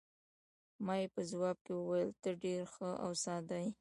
ما یې په ځواب کې وویل: ته ډېره ښه او ساده یې.